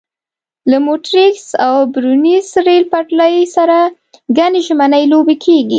له مونټریکس او برنویس ریل پټلۍ سره ګڼې ژمنۍ لوبې کېږي.